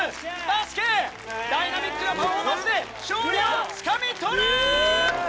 ダイナミックなパフォーマンスで勝利をつかみ取れ！